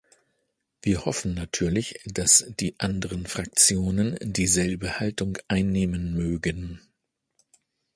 Wir hoffen natürlich, dass die anderen Fraktionen dieselbe Haltung einnehmen mögen.